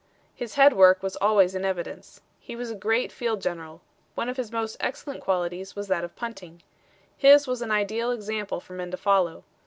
His head work was always in evidence. He was a great field general; one of his most excellent qualities was that of punting. His was an ideal example for men to follow.